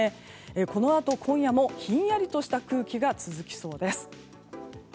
このあと、今夜もひんやりとした空気が続きそうです。